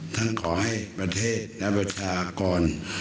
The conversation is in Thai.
ขอให้ประเทศและประชากร